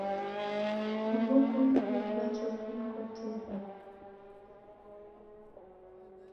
Woko mndungi wacha ukanikoteria?